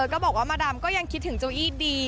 ก็บอกว่ามาดำก็ยังคิดถึงเจ้าอี้ดี